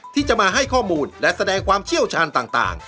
ที่จะมาให้ข้อมูลและแสดงความเชี่ยวชาญต่าง